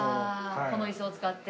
この椅子を使って？